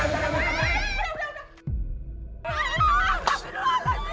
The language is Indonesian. tiba tiba dia lari